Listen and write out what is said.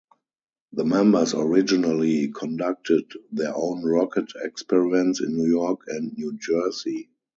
The members originally conducted their own rocket experiments in New York and New Jersey.